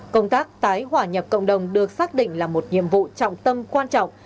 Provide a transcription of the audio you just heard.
công tác tái hỏa nhập cộng đồng được xác định là một nhiệm vụ trọng tâm quan trọng